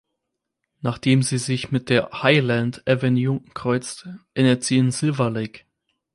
Nachdem sie sich mit der "Highland Avenue" kreuzt, endet sie in Silver Lake.